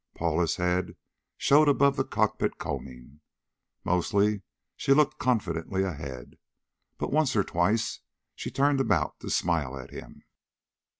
Paula's head showed above the cockpit combing. Mostly she looked confidently ahead, but once or twice she turned about to smile at him.